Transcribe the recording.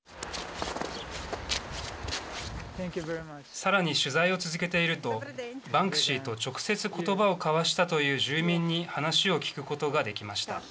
さらに、取材を続けているとバンクシーと直接言葉を交わしたという住民に話を聞くことができました。